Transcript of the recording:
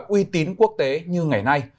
uy tín quốc tế như ngày nay